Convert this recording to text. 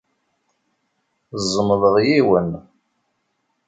Zemḍeɣ yiwen.